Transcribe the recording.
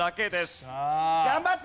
頑張って！